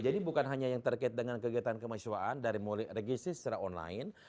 jadi bukan hanya yang terkait dengan kegiatan kemahiswaan dari mulai regisi secara online